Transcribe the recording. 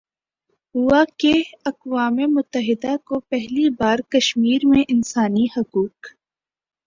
ہوا کہ اقوام متحدہ کو پہلی بار کشمیرمیں انسانی حقوق